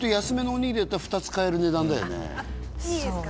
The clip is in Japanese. いいですか？